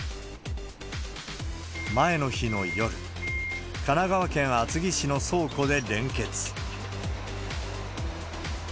前の日の夜、神奈川県厚木市の倉庫で連結。